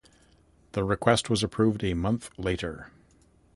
The request was approved a month later.